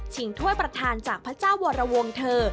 ถ้วยประธานจากพระเจ้าวรวงเธอ